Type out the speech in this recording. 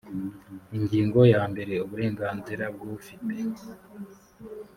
ingingo ya mbere uburenganzira bw ufite